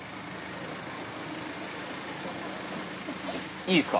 いいっすか？